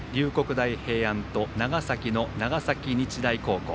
大平安と長崎の長崎日大高校。